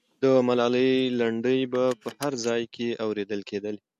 د ملالۍ لنډۍ به په هر ځای کې اورېدلې کېدلې.